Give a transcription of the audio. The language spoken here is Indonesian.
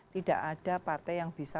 tidak ada partai yang bisa